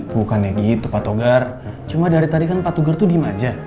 bukan ya gitu pak togar cuma dari tadi kan pak togar tuh diem aja